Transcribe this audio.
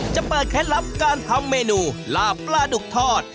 จะเปิดแค่ลับการทำเมนูดาปลาดุกทอด